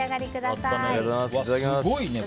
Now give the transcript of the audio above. すごいね！